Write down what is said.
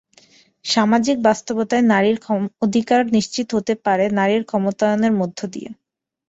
সামাজিক বাস্তবতায় নারীর অধিকার নিশ্চিত হতে পারে নারীর ক্ষমতায়নের মধ্য দিয়ে।